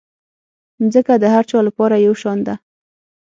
مځکه د هر چا لپاره یو شان ده.